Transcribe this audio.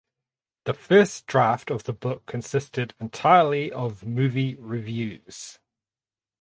The first draft of the book consisted entirely of movie reviews.